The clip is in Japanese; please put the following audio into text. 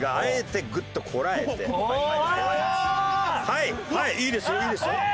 はいはいいいですよいいですよ！